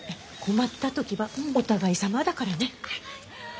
困った時はお互いさまだからね。